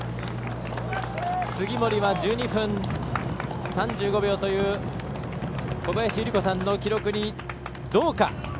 杉森は１２分３５秒という小林祐梨子さんの記録に、どうか。